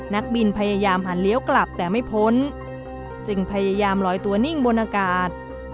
นักบินพยายามหันเลี้ยวกลับแต่ไม่พ้นจึงพยายามลอยตัวนิ่งบนอากาศ